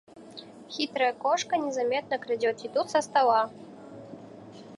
Хитрая кошка незаметно крадет еду со стола.